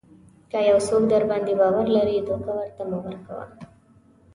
که یو څوک درباندې باور لري دوکه ورته مه کوئ.